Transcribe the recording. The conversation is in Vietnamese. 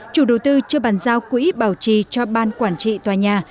chủ đầu tư chưa bàn giao quỹ bảo trì cho ban quản trị tòa nhà